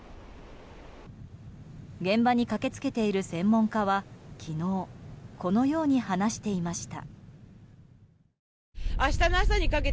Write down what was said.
現場に駆け付けている専門家は昨日このように話していました。